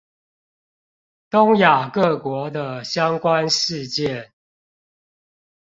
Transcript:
東亞各國的相關事件